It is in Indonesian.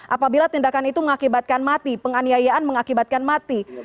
apabila tindakan itu mengakibatkan mati penganiayaan mengakibatkan mati